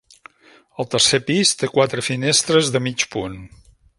El tercer pis té quatre finestres de mig punt.